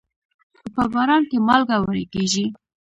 په باران کې مالګه وړي کېږي.